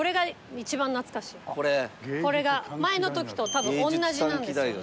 これが前の時と多分同じなんですよね。